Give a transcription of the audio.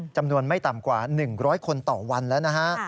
จำนวนไม่ต่ำกว่า๑๐๐คนต่อวันแล้วนะฮะ